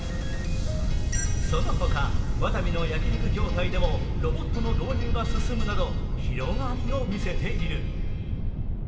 そのほか、ワタミの焼き肉業態でもロボットの導入が進むなど広がりを見せている。